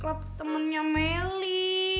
kelab temennya meli